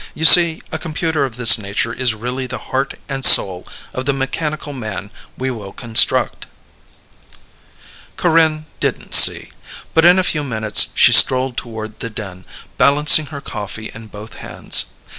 You see, a computer of this nature is really the heart and soul of the mechanical man we will construct." Corinne didn't see, but in a few minutes she strolled toward the den, balancing her coffee in both hands.